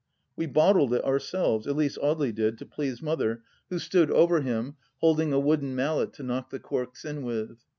We bottled it ourselves— at least Audely did, to please Mother, who stood over him. THE LAST DITCH 129 holding a wooden mallet to knock the corks in with.